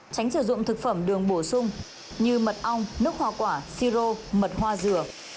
tránh sử dụng thực phẩm đường bổ sung như mật ong nước hoa quả si rô mật hoa dừa